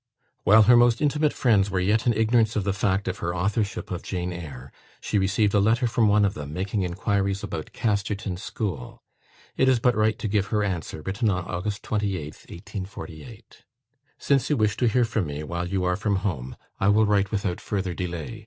While her most intimate friends were yet in ignorance of the fact of her authorship of "Jane Eyre," she received a letter from one of them, making inquiries about Casterton School. It is but right to give her answer, written on August 28th, 1848. "Since you wish to hear from me while you are from home, I will write without further delay.